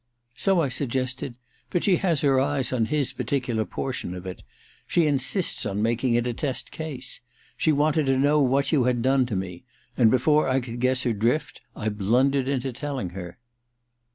* So I suggested ; but she has her eyes on this particukr portion of it. She insists on making it a test case. She wanted to know what you had done to me ; and before I could guess her drift I blundered into telling her.